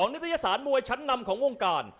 นิตยสารมวยชั้นนำของวงการ